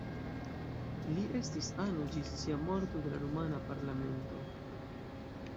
Li estis ano ĝis sia morto de la rumana parlamento.